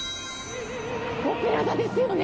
オペラ座ですよね！